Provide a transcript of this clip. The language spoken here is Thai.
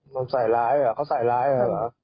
มันใส่ร้ายเหรอเขาใส่ร้ายเหรอ